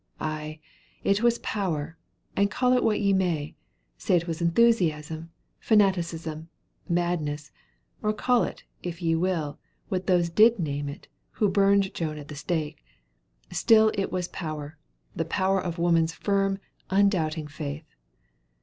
Ay, it was power and call it what ye may say it was enthusiasm, fanaticism, madness or call it, if ye will, what those did name it who burned Joan at the stake, still it was power, the power of woman's firm, undoubting faith.